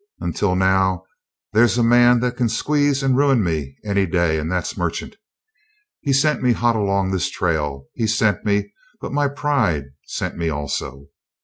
Until now there's a man that can squeeze and ruin me any day, and that's Merchant. He sent me hot along this trail. He sent me, but my pride sent me also.